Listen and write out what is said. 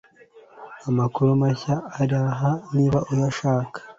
amakuru mashya araha niba uyashaka